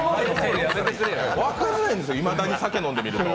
分からないんです、いまだに酒飲んで見ると。